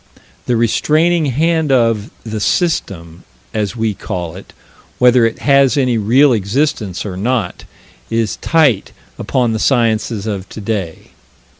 The restraining hand of the "System" as we call it, whether it has any real existence or not is tight upon the sciences of today.